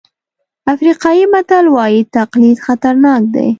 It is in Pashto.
افریقایي متل وایي تقلید خطرناک دی.